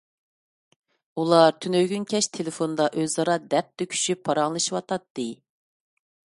ئۇلار تۈنۈگۈن كەچ تېلېفوندا ئۆزئارا دەرد تۆكۈشۈپ پاراڭلىشىۋاتاتتى.